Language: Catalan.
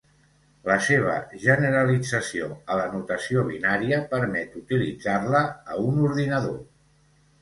La seva generalització a la notació binària permet utilitzar-la a un ordinador.